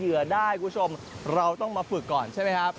ได้คุณผู้ชมเราต้องมาฝึกก่อนใช่ไหมครับ